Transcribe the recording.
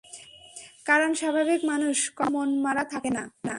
কারণ স্বাভাবিক মানুষ কখনো মনমরা থাকেনা।